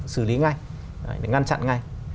xử lý ngay ngăn chặn ngay